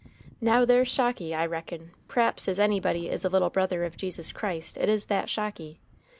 Now there's Shocky. I reckon, p'r'aps, as anybody is a little brother of Jesus Christ, it is that Shocky.